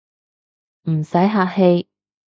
唔使客氣